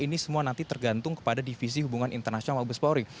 ini semua nanti tergantung kepada divisi hubungan internasional malbespori